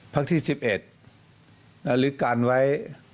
พักที่๑๑ลึกกันไว้